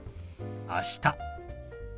「あした」。